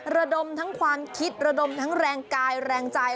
ระดมทั้งความคิดระดมทั้งแรงกายแรงใจ